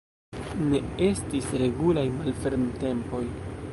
Ne estis regulaj malfermtempoj.